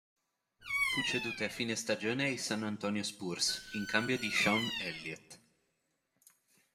Fu ceduto a fine stagione ai San Antonio Spurs in cambio di Sean Elliott.